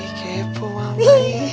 ih kepo mami